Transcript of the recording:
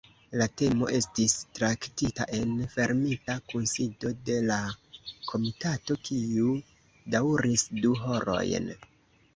La temo estis traktita en fermita kunsido de la komitato, kiu daŭris du horojn.